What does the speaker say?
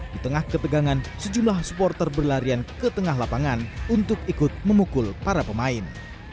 di tengah ketegangan sejumlah supporter berlarian ke tengah lapangan untuk ikut memukul para pemain